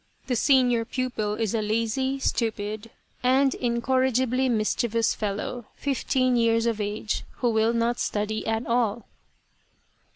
The senior pupil is a lazy, stupid, and incorrigibly mischievous fellow, fifteen years of age, who will not study at all.